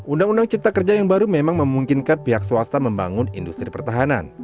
undang undang cipta kerja yang baru memang memungkinkan pihak swasta membangun industri pertahanan